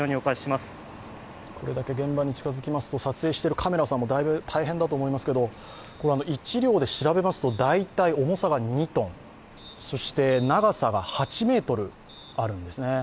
これだけ現場に近づきますと撮影しているカメラさんも大変だと思いますが１両って、調べますと大体重さが２ｔ、長さが８ｍあるんですね。